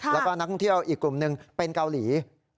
แล้วก็นักท่องเที่ยวอีกกลุ่มหนึ่งเป็นเกาหลี